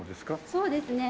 そうですね。